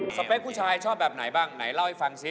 เป๊กผู้ชายชอบแบบไหนบ้างไหนเล่าให้ฟังซิ